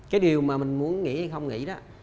cái điều mà mình muốn nghỉ hay không nghỉ đó